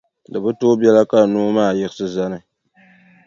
Di bi tooi biɛla ka noo maa yiɣisi zani.